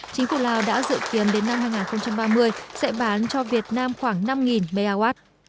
chính phủ lào đã dự kiến đến năm hai nghìn ba mươi sẽ bán cho việt nam khoảng năm mw